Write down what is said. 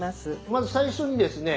まず最初にですね